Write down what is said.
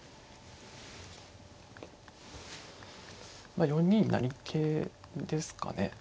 まあ４二成桂ですかね。